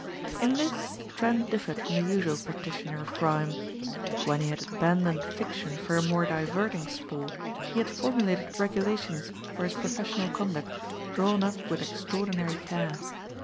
In this, Trent differed from the usual practitioner of crime. When he had abandoned fiction for a more diverting sport he had formulated regulations for his professional conduct drawn up with extraordinary care.